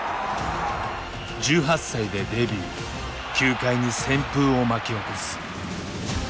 １８歳でデビュー球界に旋風を巻き起こす。